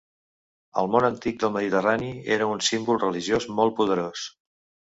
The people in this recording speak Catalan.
Al món antic del Mediterrani era un símbol religiós molt poderós.